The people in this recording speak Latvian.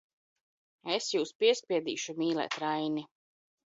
Es jūs piespiedīšu mīlēt Raini!